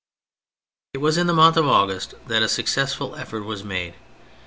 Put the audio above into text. It was in the month of August that a successful effort was made.